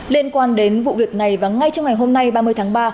liên quan đến vụ việc này và ngay trong ngày hôm nay ba mươi tháng ba